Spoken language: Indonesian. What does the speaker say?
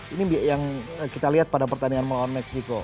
ini yang kita lihat pada pertandingan melawan meksiko